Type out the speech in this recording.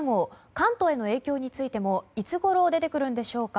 関東への影響についてもいつごろ出てくるんでしょうか。